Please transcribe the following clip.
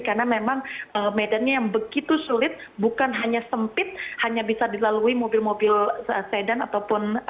karena memang medannya yang begitu sulit bukan hanya sempit hanya bisa dilalui mobil mobil sedan ataupun